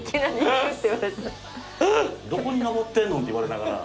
「どこに上ってんの？」って言われながら。